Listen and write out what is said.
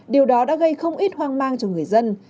điều đó đã gây không ít hoang mang cho người dân